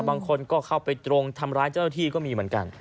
บางคนก็เข้าไปตรงทำร้ายเจ้าหน้าที่ก็มีเหมือนกัน